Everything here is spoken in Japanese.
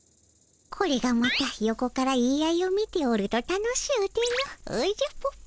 これがまた横から言い合いを見ておると楽しゅうてのおじゃぷぷぷ。